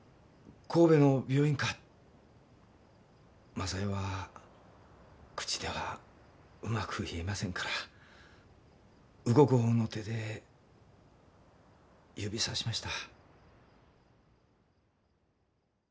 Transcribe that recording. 昌代は口ではうまく言えませんから動くほうの手で指さしました。